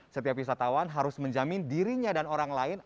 setiap wisatawan harus menjamin dirinya dan orang lain